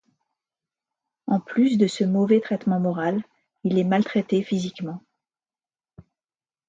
En plus de ce mauvais traitement moral, il est maltraité physiquement.